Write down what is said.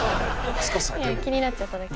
いや気になっちゃっただけ。